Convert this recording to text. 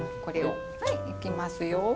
これをはい行きますよ。